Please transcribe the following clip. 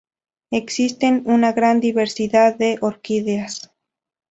Existen una gran diversidad de orquídeas.